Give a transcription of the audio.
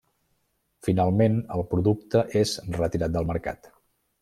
Finalment, el producte és retirat del mercat.